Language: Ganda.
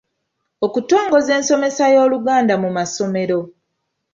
Okutongoza ensomesa y’Oluganda mu masomero